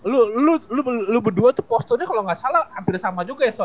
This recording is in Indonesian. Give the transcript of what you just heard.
lu lu lu lu berdua tuh posturnya kalo nggak salah hampir sama juga ya so ya